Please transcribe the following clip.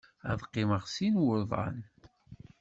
Ad qqimeɣ sin wuḍan.